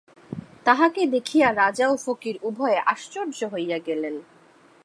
তাঁহাকে দেখিয়া রাজা ও ফকির উভয়ে আশ্চর্য হইয়া গেলেন।